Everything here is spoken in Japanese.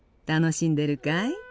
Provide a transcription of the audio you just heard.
楽しんでるかい？